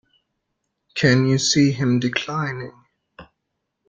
Can you see him declining?